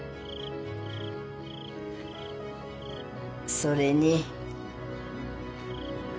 それに。